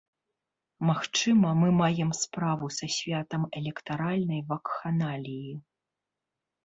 Магчыма, мы маем справу са святам электаральнай вакханаліі.